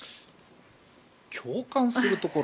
共感するところ。